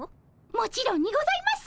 もちろんにございます！